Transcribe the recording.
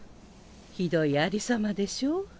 ひどいありさまでしょう？